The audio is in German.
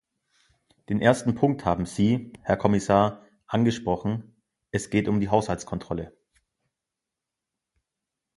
Den ersten Punkt haben Sie, Herr Kommissar, angesprochen, es geht um die Haushaltskontrolle.